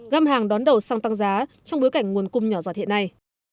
găm hàng đón đầu xăng tăng giá trong bối cảnh nguồn cung nhỏ giọt hiện nay